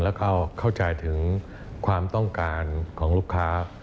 แล้วก็เข้าใจถึงความต้องการของลูกค้า